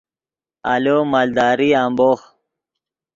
آلو مالداری امبوخ